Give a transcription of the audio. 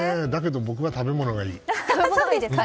だけど僕は食べ物がいい。